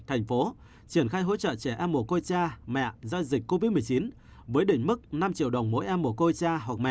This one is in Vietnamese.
thành phố triển khai hỗ trợ trẻ em mồ côi cha mẹ do dịch covid một mươi chín với đỉnh mức năm triệu đồng mỗi em một cô cha hoặc mẹ